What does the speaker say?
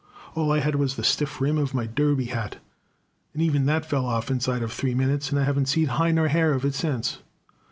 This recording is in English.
All I had was the stiff rim of my derby hat, and even that fell off inside of three minutes, and I haven't seen hide nor hair of it since.